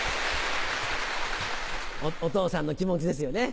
お父さんの気持ちですよね。